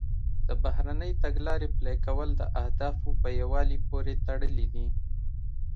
د بهرنۍ تګلارې پلي کول د اهدافو په یووالي پورې تړلي دي